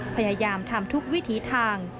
พยายามทำทุกวิถีทาง